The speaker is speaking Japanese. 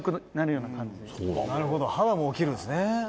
「なるほど肌も起きるんですね」